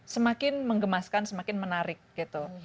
semakin mengemaskan semakin menarik gitu